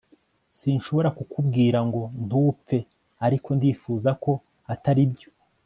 sinshobora kukubwira ngo ntupfe, ariko ndifuza ko atari byo